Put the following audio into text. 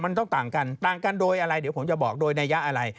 มันต้องต่างกันต่างกันโดยอะไรเดี๋ยวผมจะบอกโดยนัยยะอะไร